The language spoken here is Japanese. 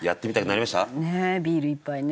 ねえビール１杯ね。